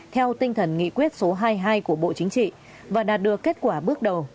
theo tinh thần nghị quyết số hai mươi hai của bộ chính trị và đạt được kết quả bước đầu